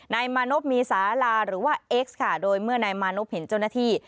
นายมานพมีสาราหรือว่าเอ็กซ์ค่ะโดยเมื่อนายมานพเห็นเจ้าหน้าที่